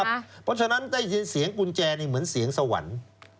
เพราะฉะนั้นได้ยินเสียงกุญแจนี่เหมือนเสียงสวรรค์